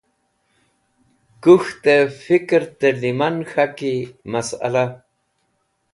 Kuk̃htẽ fikẽr tẽrlẽman k̃haki masla